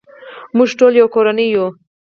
موږ ټول یو کورنۍ یو.